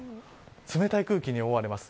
冷たい空気に覆われます。